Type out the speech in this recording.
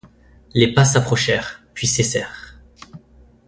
Les pas s’approchèrent, puis cessèrent.